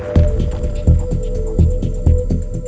และผมก็โดนเหมือนกันนะครับ